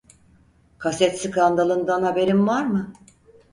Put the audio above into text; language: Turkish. Kaset skandalından haberin var mı?